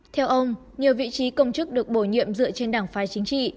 theo ông nhiều vị trí công chức được bổ nhiệm dựa trên đảng phái chính trị